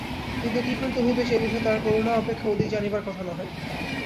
কিন্তু কী করিতে হইবে সে বিষয়ে তাঁর করুণা অপেক্ষা অধিক জানিবার কথা নহে।